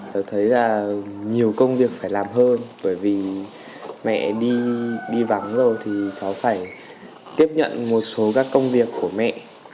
tôi thấy là nhiều công việc phải làm hơn bởi vì mẹ đi vắng rồi thì cháu phải tiếp nhận một số các công việc của mẹ